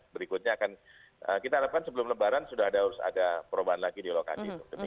berikutnya akan kita harapkan sebelum lebaran sudah ada perubahan lagi di lokasi